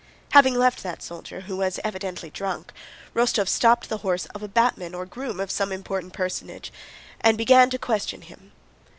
Having left that soldier who was evidently drunk, Rostóv stopped the horse of a batman or groom of some important personage and began to question him.